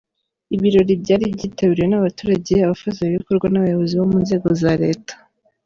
Ibirori byari byitabiriwe n’abaturage, abafatanyabikorwa n’abayobozi mu nzego za leta.